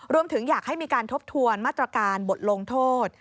รวมถึงอยากให้มีการทบทวนมาตรการบทลงโทษ